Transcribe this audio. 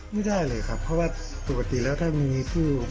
ไม่ได้เลยครับเพราะว่าปกติแล้วถ้ามีผู้